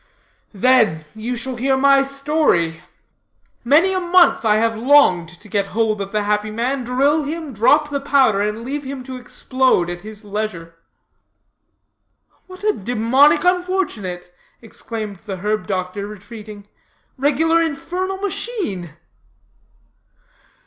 "Then, you shall hear my story. Many a month I have longed to get hold of the Happy Man, drill him, drop the powder, and leave him to explode at his leisure.". "What a demoniac unfortunate" exclaimed the herb doctor retreating. "Regular infernal machine!"